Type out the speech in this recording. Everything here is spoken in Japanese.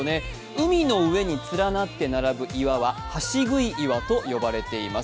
海の上に連なって並ぶ岩は橋ぐい岩と言われています。